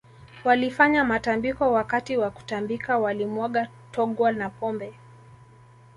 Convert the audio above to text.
Walifanya matambiko Wakati wa kutambika walimwaga togwa na pombe